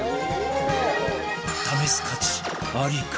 試す価値アリか？